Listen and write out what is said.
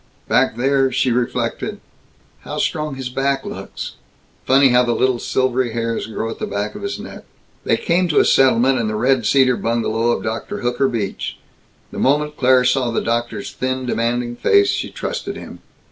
Back there, she reflected, "How strong his back looks. Funny how the little silvery hairs grow at the back of his neck." They came to a settlement and the red cedar bungalow of Dr. Hooker Beach. The moment Claire saw the doctor's thin demanding face, she trusted him.